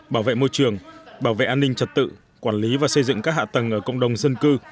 bảo vệ môi trường bảo vệ an ninh trật tự quản lý và xây dựng các hạ tầng ở cộng đồng dân cư